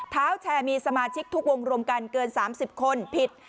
เท้าแชร์มีสมาชิกทุกวงรวมกันเกิน๓๐คนผิด